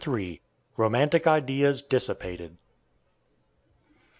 ROMANTIC IDEAS DISSIPATED.